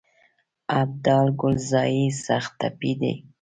ابدال کلزايي سخت ټپي دی.